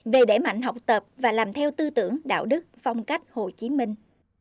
về đẩy mạnh học tập và làm theo tư tưởng đạo đức phong cách hồ chí minh